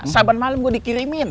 saban malam gue dikirimin